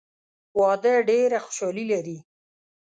واده ډېره خوشحالي لري.